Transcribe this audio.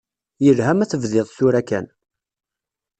Yelha ma tebdiḍ tura kan.